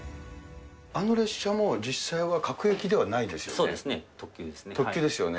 あの列車も実際は各駅ではなそうですね、特急ですね。